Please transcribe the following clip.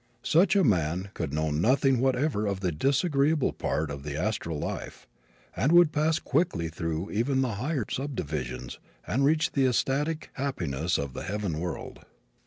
Such a man could know nothing whatever of the disagreeable part of the astral life and would pass quickly through even the higher subdivisions and reach the ecstatic happiness of the heaven world.